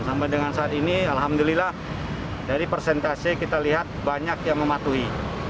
sampai dengan saat ini alhamdulillah dari persentase kita lihat banyak yang mematuhi